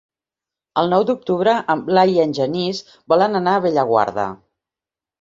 El nou d'octubre en Blai i en Genís volen anar a Bellaguarda.